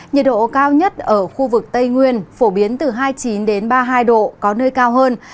nhiệt độ cao nhất ở khu vực tây nguyên phổ biến từ hai mươi chín ba mươi hai độ có nơi cao hơn